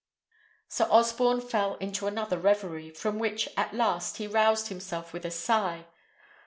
Sir Osborne fell into another reverie, from which, at last, he roused himself with a sigh.